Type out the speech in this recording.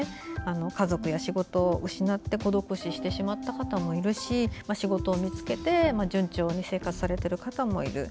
家族や仕事を失って孤独死してしまった方もいるし仕事を見つけて順調に生活されている方もいる。